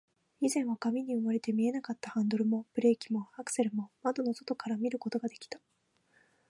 以前は紙に埋もれて見えなかったハンドルも、ブレーキも、アクセルも、窓の外から見ることができた